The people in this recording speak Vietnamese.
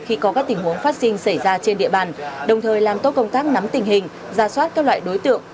khi có các tình huống phát sinh xảy ra trên địa bàn đồng thời làm tốt công tác nắm tình hình ra soát các loại đối tượng